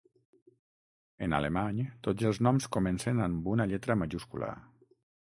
En alemany tots els Noms comencen amb una lletra majúscula.